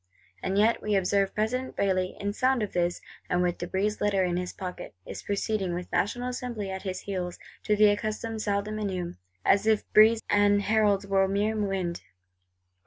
And yet, we observe, President Bailly in sound of this, and with De Brézé's Letter in his pocket, is proceeding, with National Assembly at his heels, to the accustomed Salles des Menus; as if De Brézé and heralds were mere wind.